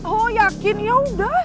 oh yakin yaudah